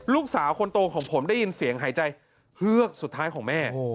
ลูกสาวคนโตของผมได้ยินเสียงหายใจเฮือกสุดท้ายของแม่